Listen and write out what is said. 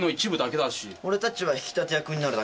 俺たちは引き立て役になるだけだしね。